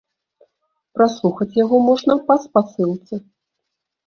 Праслухаць яго можна па спасылцы.